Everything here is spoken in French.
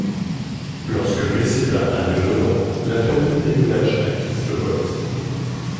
Lorsque Meseda avait neuf ans, la famille déménage à Kislovodsk.